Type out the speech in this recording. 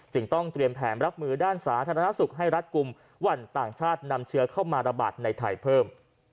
ต้องเตรียมแผนรับมือด้านสาธารณสุขให้รัฐกลุ่มวันต่างชาตินำเชื้อเข้ามาระบาดในไทยเพิ่ม